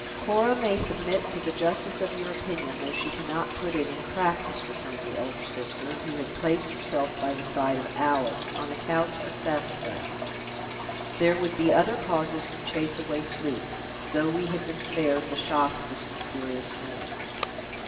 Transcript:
"Cora may submit to the justice of your opinion though she cannot put it in practice," returned the elder sister, who had placed herself by the side of Alice, on a couch of sassafras; "there would be other causes to chase away sleep, though we had been spared the shock of this mysterious noise.